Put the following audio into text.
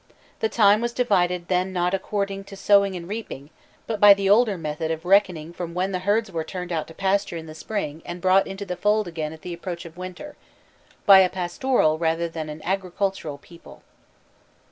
The time was divided then not according to sowing and reaping, but by the older method of reckoning from when the herds were turned out to pasture in the spring and brought into the fold again at the approach of winter by a pastoral rather than an agricultural people.